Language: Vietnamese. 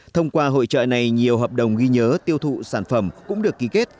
thông qua hội trợ này nhiều hợp đồng ghi nhớ tiêu thụ sản phẩm cũng được ký kết